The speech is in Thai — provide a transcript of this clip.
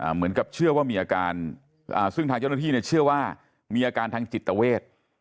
เหมือนกับเชื่อว่ามีอาการซึ่งทางเจ้าหน้าที่เชื่อว่ามีอาการทางจิตเวท